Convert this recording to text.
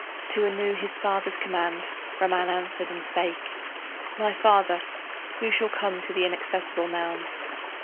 To Anu his father's command Ramman answered and spake: My father, who shall come to the inaccessible mound?